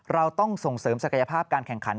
เราต้องส่งเสริมศักยภาพการแข่งขัน